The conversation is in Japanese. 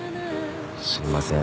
すいません。